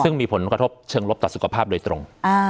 ซึ่งมีผลกระทบเชิงลบต่อสุขภาพโดยตรง